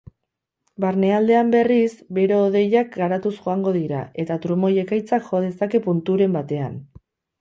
Barnealdean berriz, bero-hodeiak garatuz joango dira eta trumoi-ekaitzak jo dezake punturen batean.